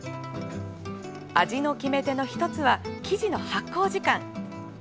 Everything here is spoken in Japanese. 味の決め手の１つは生地の発酵時間。